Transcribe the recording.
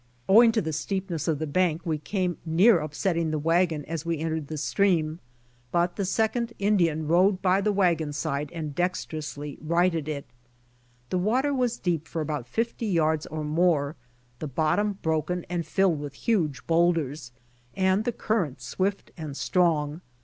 Owing to the steepness of the bank we came near upsetting the wagon as we entered the stream, but the second Indian rode by the wagon side and dexterously rii^hted it. The water was deep for about fifty yards or more, the bottom broken and filled Avith huge boulders, and the current swift and strong.